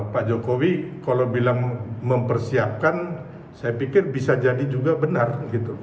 pak jokowi kalau bilang mempersiapkan saya pikir bisa jadi juga benar